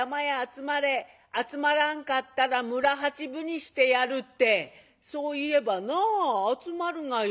集まらんかったら村八分にしてやる』ってそう言えばな集まるがや」。